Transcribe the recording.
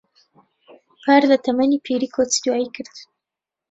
پار لە تەمەنی پیری کۆچی دوایی کرد.